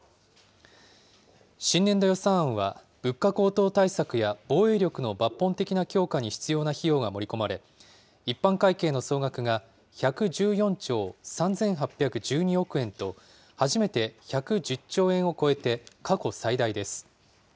新年度予算案は物価高騰対策や防衛力の抜本的な強化に必要な費用が盛り込まれ、一般会計の総額が１１４兆３８１２億円と、初めて１１０兆円を超えて過去最大です。